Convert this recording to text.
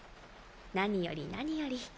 何より何より。